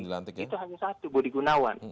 itu hanya satu budi gunawan